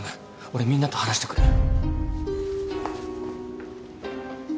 俺みんなと話してくる。